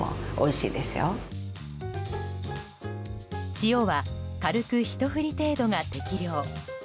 塩は軽くひと振り程度が適量。